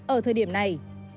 ở thời điểm này